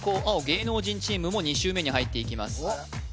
青芸能人チームも２周目に入っていきます